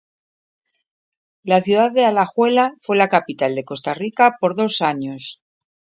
La ciudad de Alajuela fue capital de Costa Rica por dos años.